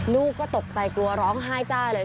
ลูกก็ตกใจกลัวร้องไห้จ้าเลย